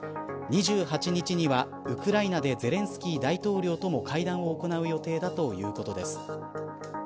２８日にはウクライナでゼレンスキー大統領とも会談を行う予定だということです。